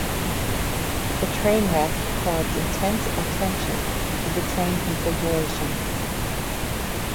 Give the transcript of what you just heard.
The train wreck caused intense attention to the train configuration.